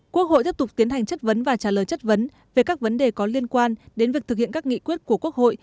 quốc hội tiếp tục tiến hành chất vấn và trả lời chất vấn về các vấn đề có liên quan đến việc thực hiện các nghị quyết của quốc hội